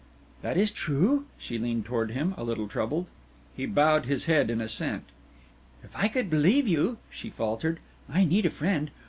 "That is true?" She leaned toward him, a little troubled. He bowed his head in assent. "If I could believe you," she faltered. "I need a friend!